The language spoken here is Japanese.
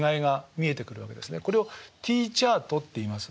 これをＴチャートっていいます。